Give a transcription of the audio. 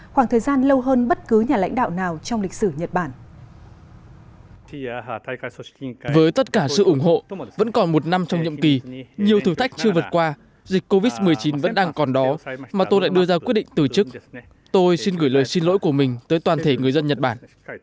khoảng thời gian lâu hơn bất cứ nhà lãnh đạo nào trong lịch sử nhật bản